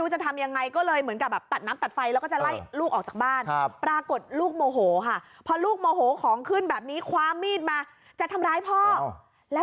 โหวของขึ้นแบบนี้ความมีทมาจะทำร้ายพ่อแล้วเดี๋ยว